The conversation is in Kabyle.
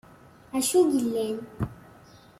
Acu yellan?